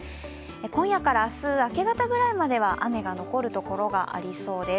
今夜から明日明け方ぐらいまでは雨が残る所がありそうです。